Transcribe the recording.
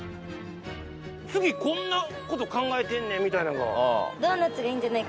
「次こんな事考えてんねん」みたいなのは。